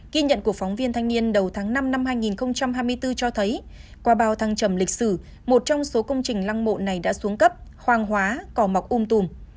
ghi nhận của phóng viên thanh niên đầu tháng năm năm hai nghìn hai mươi bốn cho thấy qua bao thăng trầm lịch sử một trong số công trình lăng mộ này đã xuống cấp hoang hóa cỏ mọc um tùm